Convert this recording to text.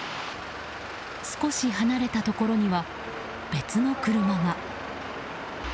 少し離れたところには別の車が。